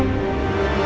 oh enggak lihat